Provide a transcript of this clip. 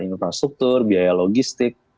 infrastruktur biaya logistik